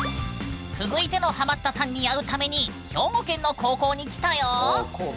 続いてのハマったさんに会うために兵庫県の高校に来たよ。